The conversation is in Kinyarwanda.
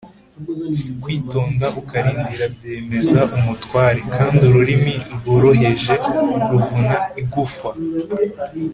kwitonda ukarindīra byemeza umutware, kandi ururimi rworoheje ruvuna igufwa